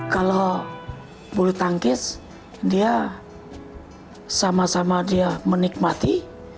kalau bulu tangkis dia sama sama dia menikmati